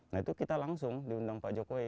nah itu kita langsung diundang pak jokowi